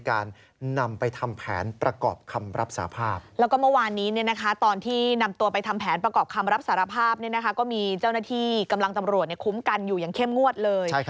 กรอบคำรับสารภาพก็มีเจ้าหน้าที่กำลังตำรวจคุ้มกันอยู่อย่างเข้มงวดเลย